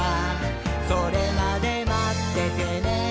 「それまでまっててねー！」